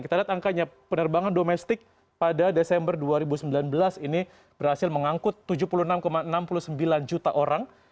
kita lihat angkanya penerbangan domestik pada desember dua ribu sembilan belas ini berhasil mengangkut tujuh puluh enam enam puluh sembilan juta orang